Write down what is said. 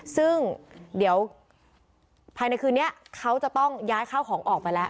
ซึ่งเดี๋ยวภายในคืนนี้เขาจะต้องย้ายข้าวของออกไปแล้ว